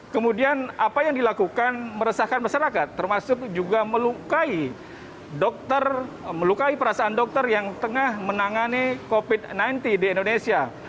kemudian apa yang dilakukan meresahkan masyarakat termasuk juga melukai dokter melukai perasaan dokter yang tengah menangani covid sembilan belas di indonesia